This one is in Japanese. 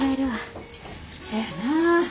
せやな。